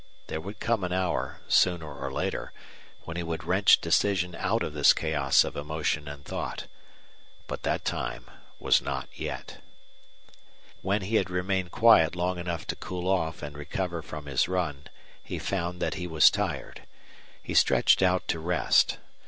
There would come an hour, sooner or later, when he would wrench decision out of this chaos of emotion and thought. But that time was not yet. He had remained quiet long enough to cool off and recover from his run he found that he was tired. He stretched out to rest.